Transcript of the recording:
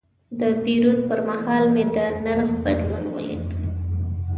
د پیرود پر مهال مې د نرخ بدلون ولید.